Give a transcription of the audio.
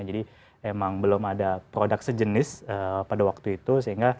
jadi memang belum ada produk sejenis pada waktu itu sehingga